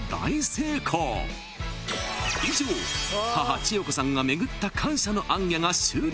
［以上母千代子さんが巡った感謝の行脚が終了］